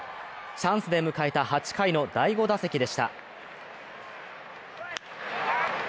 チャンスで迎えた８回の第５打席でした。